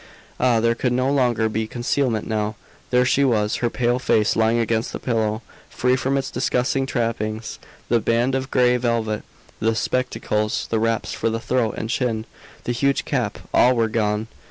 Ah! there could no longer be concealment now! There she was, her pale face lying against the pillow, free from its disguising trappings. The band of gray velvet, the spectacles, the wraps for the throat and chin, the huge cap, all were gone.